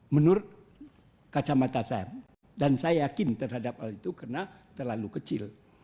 menurut kacamata saya dan saya yakin terhadap hal itu karena terlalu kecil